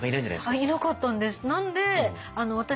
いなかったんです。